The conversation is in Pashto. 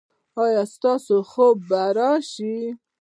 ایا ستاسو خوب به راشي؟